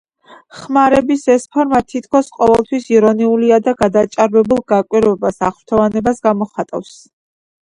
ხმარების ეს ფორმა თითქმის ყოველთვის ირონიულია და გადაჭარბებულ გაკვირვებას, აღფრთოვანებას გამოხატავს.